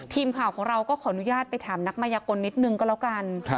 ทีมข่าวของเราก็ขออนุญาตไปถามนักมายกลนิดนึงก็แล้วกัน